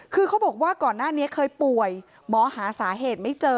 คือเขาบอกว่าก่อนหน้านี้เคยป่วยหมอหาสาเหตุไม่เจอ